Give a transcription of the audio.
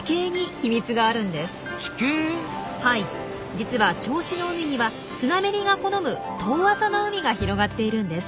実は銚子の海にはスナメリが好む遠浅の海が広がっているんです。